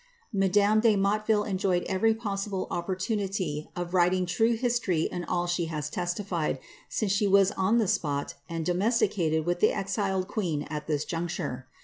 * Madame de Motteville enjoyed every possible opportunity of writinf tnie history in all she has testified, since she was on the spot, and do mesticated with the exiled queen at this juncture.